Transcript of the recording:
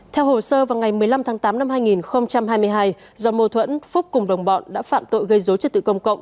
theo hồ sơ vào ngày một mươi năm tháng tám năm hai nghìn hai mươi hai do mô thuẫn phúc cùng đồng bọn đã phạm tội gây dối trật tự công cộng